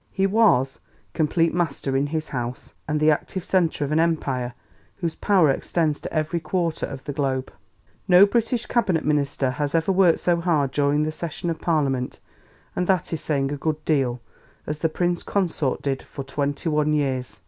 He was "complete master in his house, and the active centre of an Empire whose power extends to every quarter of the globe. ... No British Cabinet minister has ever worked so hard during the session of Parliament, and that is saying a good deal, as the Prince Consort did for 21 years.